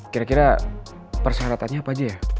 kira kira persyaratannya apa aja ya